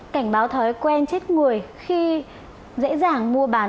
cảnh báo thói quen chết người khi dễ dàng mua bán